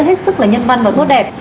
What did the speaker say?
hết sức là nhân văn và ngốt đẹp